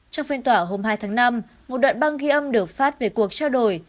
trong phiên tòa hôm hai tháng năm một đoạn băng ghi âm được phát về cuộc trao đổi